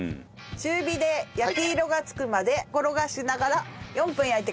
中火で焼き色がつくまで転がしながら４分焼いてください。